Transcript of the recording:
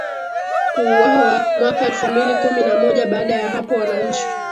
kuuawa mwaka elfu mbili kumi na moja Baada ya hapo wananchi